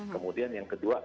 kemudian yang kedua